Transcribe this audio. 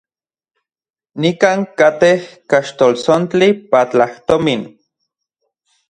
Nikan katej kaxltoltsontli platajtomin.